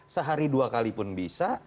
sehari dua kali pun bisa